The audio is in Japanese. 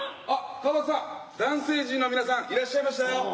あっ川畑さん男性陣の皆さんいらっしゃいましたよ。